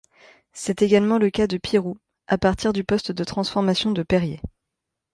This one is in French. C'est également le cas de Pirou, à partir du poste de transformation de Périers.